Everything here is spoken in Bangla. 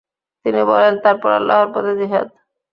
তিনি বললেন, তারপর আল্লাহর পথে জিহাদ।